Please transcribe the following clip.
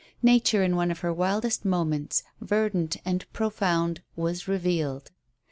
Nature in one of her wildest moments, verdant and profound, was revealed.